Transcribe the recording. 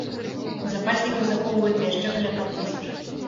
У запасніках захоўваецца яшчэ каля трох тысяч.